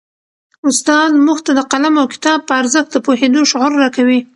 استاد موږ ته د قلم او کتاب په ارزښت د پوهېدو شعور راکوي.